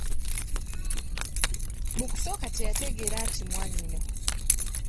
Mu kusooka teyategeera nti mwanyina.